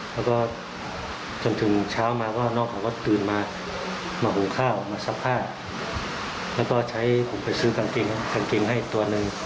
แล้วก็จนถึงเช้ามาก็น้องเขาก็ตื่นมามาหุงข้าวมาซักผ้าแล้วก็ใช้ผมไปซื้อกางเกงกางเกงให้ตัวหนึ่ง